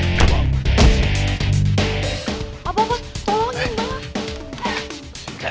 nanti jadi pledis kan